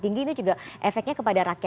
kita harus jiki empat persent b break